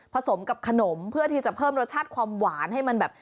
สมกับขนมเพื่อที่จะเพิ่มรสชาติความหวานให้มันแบบ